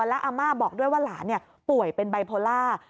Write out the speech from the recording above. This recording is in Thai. และอาม่าบอกด้วยว่าหลานี่ป่วยเป็นบายโพลา